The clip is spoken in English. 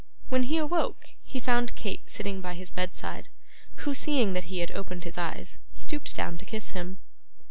When he awoke, he found Kate sitting by his bedside, who, seeing that he had opened his eyes, stooped down to kiss him.